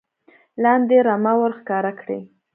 لاندې رمه ور ښکاره کړي .